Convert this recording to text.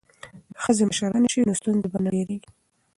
که ښځې مشرانې شي نو ستونزې به نه ډیریږي.